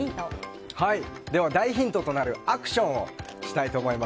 大ヒントとなるアクションをしたいと思います。